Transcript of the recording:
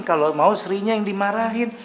kalo mau sri nya yang dimarahin